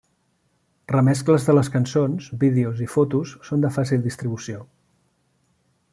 Remescles de les cançons, vídeos i fotos són de fàcil distribució.